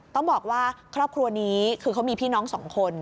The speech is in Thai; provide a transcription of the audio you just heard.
ต้องบอกว่าครอบครัวนี้คือเขามีพี่น้องสองคน